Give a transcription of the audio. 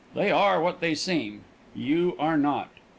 They are what they seem. You are not.